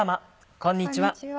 こんにちは。